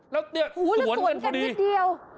แล้วนี่ส่วนกันพอดีแล้วส่วนกันนิดเดียว